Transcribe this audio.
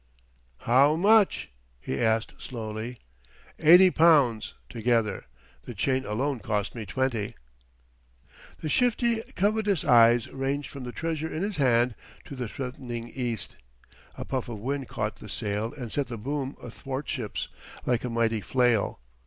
"How much?" he asked slowly. "Eighty pounds, together; the chain alone cost me twenty." The shifty, covetous eyes ranged from the treasure in his hand to the threatening east. A puff of wind caught the sail and sent the boom athwartships, like a mighty flail.